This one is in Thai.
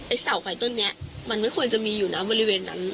เสาไฟต้นนี้มันไม่ควรจะมีอยู่นะบริเวณนั้น